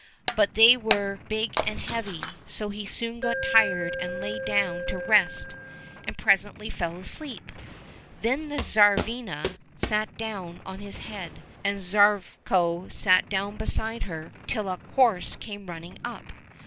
But they were big and heavy, so he soon got tired and lay down to rest, and presently fell asleep. Then the Tsarivna sat down on his head, and the Tsarevko sat down beside her, till a horse came running up.